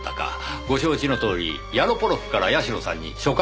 ご承知のとおりヤロポロクから社さんに書簡が届きました。